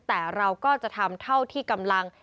แต่เราก็จะทำเท่าที่กำลัง